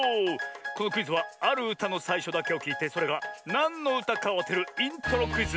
このクイズはあるうたのさいしょだけをきいてそれがなんのうたかをあてるイントロクイズ。